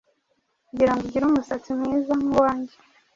kugirango ugire umusatsi mwiza nkuwanjye